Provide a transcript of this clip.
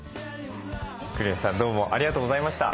国吉さんどうもありがとうございました。